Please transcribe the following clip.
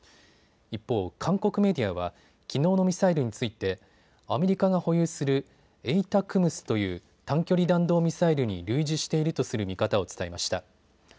一方、韓国メディアはきのうのミサイルについてアメリカが保有するＡＴＡＣＭＳという短距離弾道ミサイルに類似しているとする見方を伝えました。